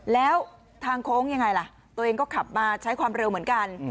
แล้วทางโค้งยังไงล่ะตัวเองก็ขับมาใช้ความเร็วเหมือนกัน